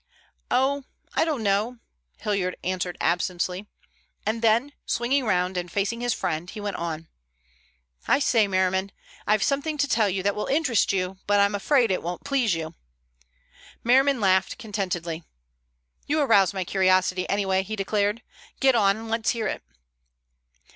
"Oh, I don't know," Hilliard answered absently, and then, swinging round and facing his friend, he went on: "I say, Merriman, I've something to tell you that will interest you, but I'm afraid it won't please you." Merriman laughed contentedly. "You arouse my curiosity anyway," he declared. "Get on and let's hear it."